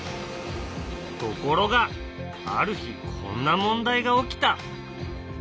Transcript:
ところがある日こんな問題が起きた。